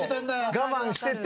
我慢してて。